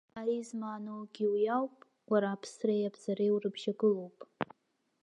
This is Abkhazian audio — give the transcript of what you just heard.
Ари змааноугьы уи ауп, уара аԥсреи абзареи урыбжьагылоуп.